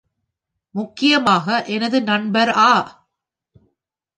முக்கியமாக எனது நண்பர் அ.